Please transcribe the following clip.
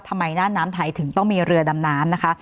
ทำไมหน้าน้ำไทยถึงต้องมีเรือดำน้ำนะคะ